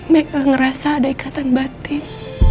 mereka ngerasa ada ikatan batin